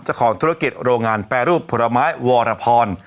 เจ้าของธุรกิจโรงงานแปรรูปผลไม้วรพร